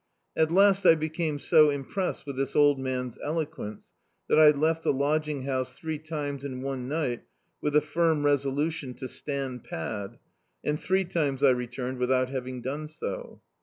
At last I became so impressed with this old man's eloquence, that I left the lodging house three times in one ni^t with a finn resolution to stand pad, and three times I returned without having done so.